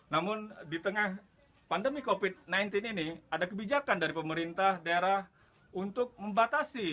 namun di tengah pandemi covid sembilan belas ini ada kebijakan dari pemerintah daerah untuk membatasi